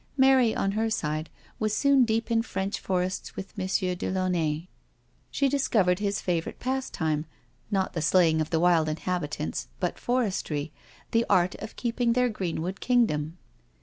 Mary, on her side, was soon deep in French forests with M. de Launay. She discovered his favourite pastime— not the slaying of the wild inhabitants, but forestry, the art of keeping their greenwood kingdom.